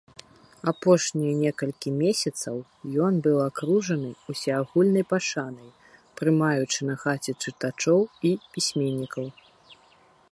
Апошнія некалькі месяцаў ён быў акружаны ўсеагульнай пашанай, прымаючы на хаце чытачоў і пісьменнікаў.